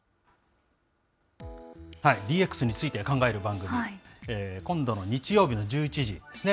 ＤＸについて考える番組、今度の日曜日の１１時ですね。